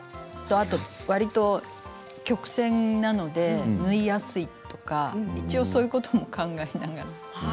あと、わりと曲線なので縫いやすいとか一応そういうことも考えながら。